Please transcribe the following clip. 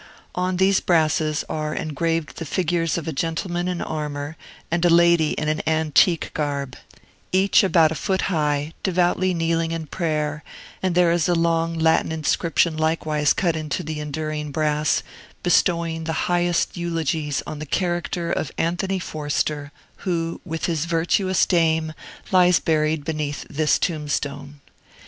On these brasses are engraved the figures of a gentleman in armor and a lady in an antique garb, each about a foot high, devoutly kneeling in prayer; and there is a long Latin inscription likewise cut into the enduring brass, bestowing the highest eulogies on the character of Anthony Forster, who, with his virtuous dame, lies buried beneath this tombstone.